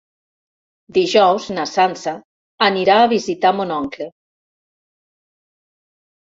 Dijous na Sança anirà a visitar mon oncle.